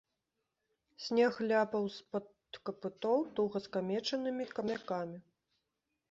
Снег ляпаў з-пад капытоў туга скамечанымі камякамі.